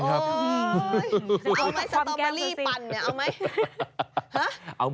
เอาไหมสตอเบอรี่ปั่นเนี่ยเอาไหม